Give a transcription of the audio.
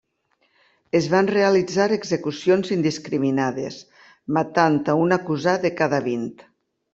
Es van realitzar execucions indiscriminades, matant a un acusat de cada vint.